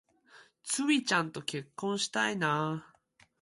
ツウィちゃんと結婚したいな